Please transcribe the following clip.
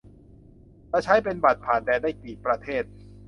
จะใช้เป็น "บัตรผ่านแดน" ได้กี่ประเทศ